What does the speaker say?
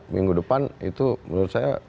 minggu depan itu menurut saya